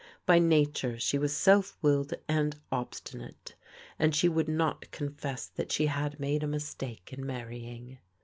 By nature she was self willed and obstinate, and she would not confess that she had made a mistake in marrying.